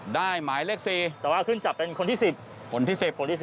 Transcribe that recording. ได้หมายเลข๔แต่ว่าขึ้นจับเป็นคนที่๑๐